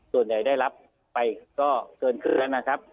ส่วนใหญ่ได้รับไปก็เกินเคลื่อนนะครับ